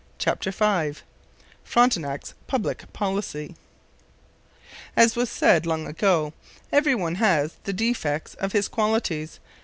CHAPTER V FRONTENAC'S PUBLIC POLICY As was said long ago, every one has the defects ef his qualities.